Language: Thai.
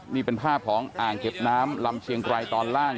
นี่เป็นภาพของอ่างเก็บน้ำลำเชียงไกรตอนล่าง